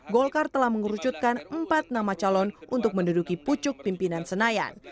golkar telah mengerucutkan empat nama calon untuk menduduki pucuk pimpinan senayan